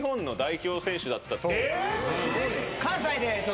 関西で。